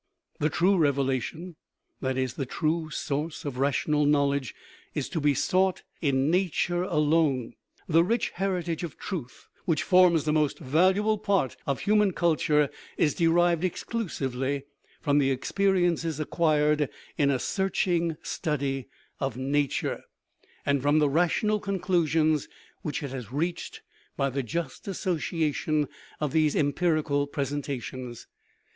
The true revelation that is, the true source of ra tional knowledge is to be sought in nature alone. The rich heritage of truth which forms the most valuable part of human culture is derived exclusively from the experiences acquired in a searching study of nature, 306 KNOWLEDGE AND BELIEF and from the rational conclusions which it has reached by the just association of these empirical presentations.